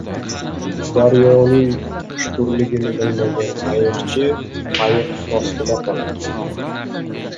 • Daryoning chuqurligini bilmagan qayiqchi qayiq ostida qoladi.